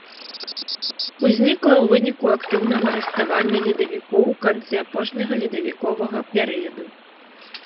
Узнікла ў выніку актыўнага раставання ледавікоў у канцы апошняга ледавіковага перыяду.